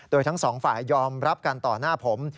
โดยทั้งสองฝ่ายยอมรับกันต่อหน้าผม